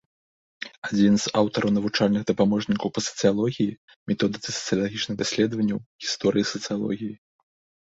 Адзін з аўтараў навучальных дапаможнікаў па сацыялогіі, методыцы сацыялагічных даследаванняў, гісторыі сацыялогіі.